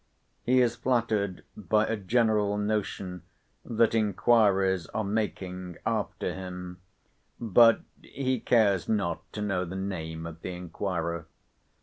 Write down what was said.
He is flattered by a general notion that inquiries are making after him, but he cares not to know the name of the inquirer.